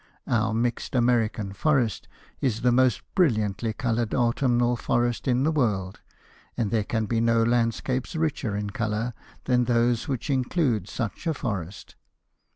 Our mixed American forest is the most brilliantly colored autumnal forest in the world, and there can be no landscapes richer in color than those which include such a forest.